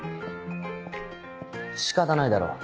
仕方ないだろう。